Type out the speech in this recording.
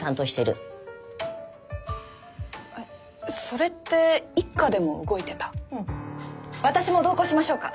それって一課でも動いてた私も同行しましょうか？